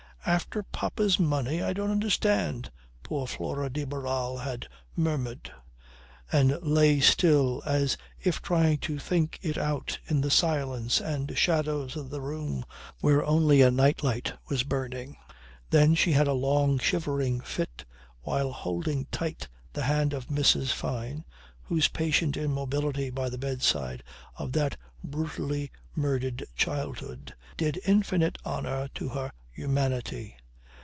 "After papa's money? I don't understand," poor Flora de Barral had murmured, and lay still as if trying to think it out in the silence and shadows of the room where only a night light was burning. Then she had a long shivering fit while holding tight the hand of Mrs. Fyne whose patient immobility by the bedside of that brutally murdered childhood did infinite honour to her humanity.